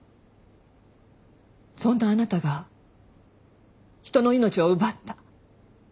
そんなあなたが人の命を奪った。